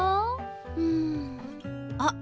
うん。あっ！